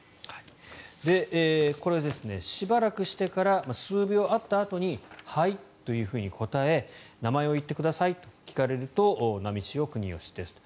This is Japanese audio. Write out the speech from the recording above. これはしばらくしてから数秒あったあとにはい、というふうに答え名前を言ってくださいと聞かれると、波汐國芳ですと。